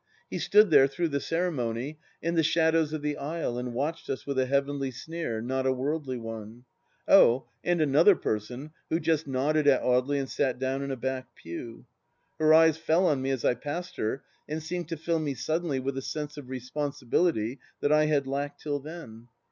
He stood there, through the ceremony, in the shadows of the aisle and watched us with a heavenly sneer, not a worldly one. Oh, and another person, who just nodded at Audely and sat down in a back pew. Her eyes fell on me as I passed her and seemed to fill me suddenly with a sense of responsibility that I had lacked till then.